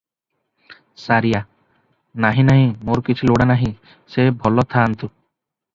ସାରିଆ - ନାହିଁ ନାହିଁ, ମୋର କିଛି ଲୋଡ଼ା ନାହିଁ, ସେ ଭଲ ଥାଆନ୍ତୁ ।